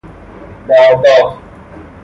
بارداد